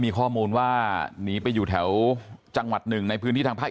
มีข้อมูลว่าหนีไปอยู่แถวจังหวัดหนึ่งในพื้นที่ทางภาค